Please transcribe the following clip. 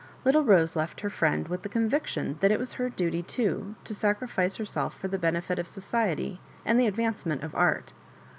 Little Rose left her friend with the con viction that it was her duty, too*to sacrifice her self for the benefit of society and the advance ment of art.